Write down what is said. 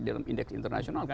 di dalam indeks internasional